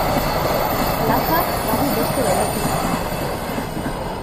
Plazak badu beste berezitasun bat.